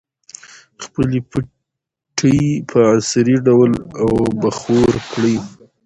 خپلې پټۍ په عصري ډول اوبخور کړئ.